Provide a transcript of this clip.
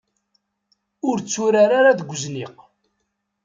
Ur tturar ara deg uzniq.